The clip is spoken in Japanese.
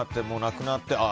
もう亡くなって。